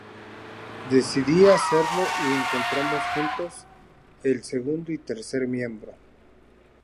Decidí a hacerlo y encontramos juntos el segundo y tercer miembro".